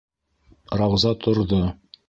Рауза торҙо.